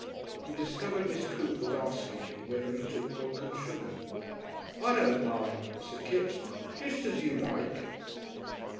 He discovered Miss Coote was asking him whether he took milk and sugar. "I don't mind," said Kipps. "Just as you like."